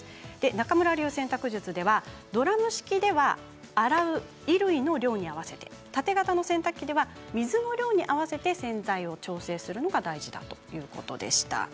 中村流洗濯術ではドラム式では洗う衣類の量に合わせて縦型の洗濯機は水の量に合わせて洗剤を調整するのが大事だということでした。